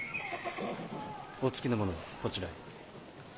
お付きの者はこちらへ。